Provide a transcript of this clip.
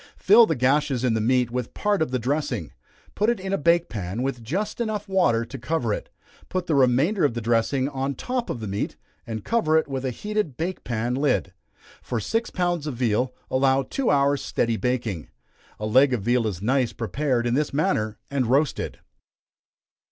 Fill the gashes in the meat with part of the dressing, put it in a bake pan, with just water enough to cover it; put the remainder of the dressing on top of the meat, and cover it with a heated bake pan lid. For six pounds of veal, allow two hours' steady baking. A leg of veal is nice prepared in this manner, and roasted.